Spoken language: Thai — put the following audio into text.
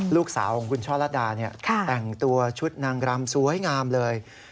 ลูกสาวของคุณช่อลัดดาแต่งตัวชุดนางรำสวยงามเลย